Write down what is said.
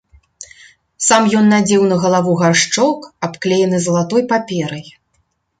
Сам ён надзеў на галаву гаршчок, абклеены залатой паперай.